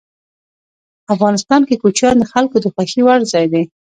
افغانستان کې کوچیان د خلکو د خوښې وړ ځای دی.